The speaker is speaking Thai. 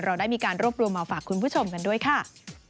เราได้มีการรวบรวมมาฝากคุณผู้ชมกันด้วยค่ะ